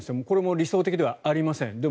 これも理想的ではありません。